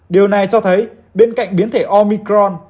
điều này cho thấy bên cạnh biến thể omicron